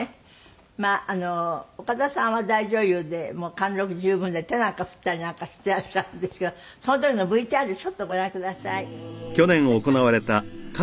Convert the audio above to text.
まああの岡田さんは大女優でもう貫禄十分で手なんか振ったりなんかしてらっしゃるんですけどその時のＶＴＲちょっとご覧ください。